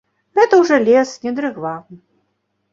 Гэта ўжо лес, не дрыгва.